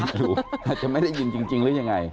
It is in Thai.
หรืออาจจะไม่ได้ยินจริงหรือยังไง